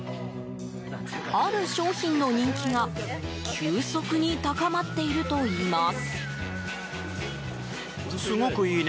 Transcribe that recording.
ある商品の人気が急速に高まっているといいます。